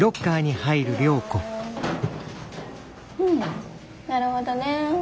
うんなるほどね。